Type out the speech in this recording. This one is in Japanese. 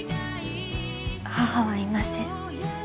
母はいません